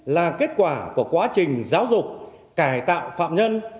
là kết quả của quá trình giáo dục cải tạo phạm nhân